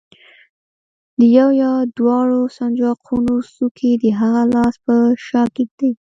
د یوه یا دواړو سنجاقونو څوکې د هغه لاس په شا کېږدئ.